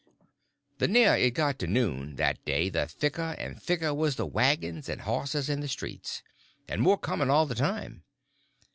The nearer it got to noon that day the thicker and thicker was the wagons and horses in the streets, and more coming all the time.